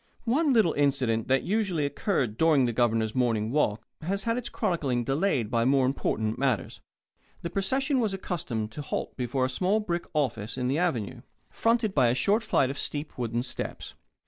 One little incident that usually occurred during the Governor's morning walk has had its chronicling delayed by more important matters. The procession was accustomed to halt before a small brick office on the Avenue, fronted by a short flight of steep wooden steps.